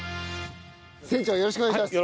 船長よろしくお願いします。